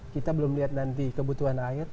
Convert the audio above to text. kita belum lihat nanti kebutuhan air